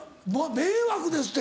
迷惑ですって。